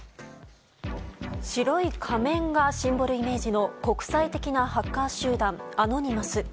白い仮面がシンボルイメージの国際的なハッカー集団アノニマス。